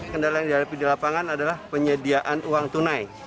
kendala yang dihadapi di lapangan adalah penyediaan uang tunai